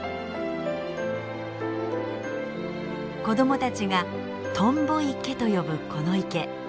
子どもたちが「とんぼ池」と呼ぶこの池。